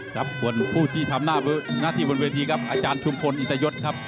ครับส่วนผู้ที่ทำหน้าที่บนเวทีครับอาจารย์ชุมพลอิตยศครับ